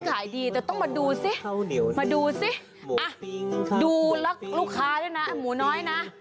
ขายดีแต่ต้องมาดูสิมาดูสิดูแล้วลูกค้าด้วยนะหมูน้อยนะ